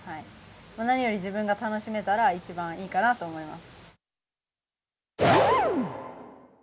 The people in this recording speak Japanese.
何より自分が楽しめたら一番いいかなと思います。